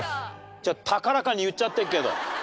ちょっと高らかに言っちゃってるけど。